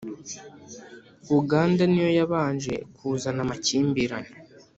Uganda niyo yabanje kuzana amakimbirane